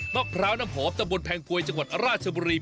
มะพร้าวน้ำหอมตะบนแพงกวยจังหวัดราชบุรี